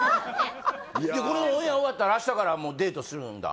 このオンエア終わったら明日からもうデートするんだ